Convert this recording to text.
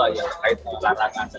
yang terkait dengan larangan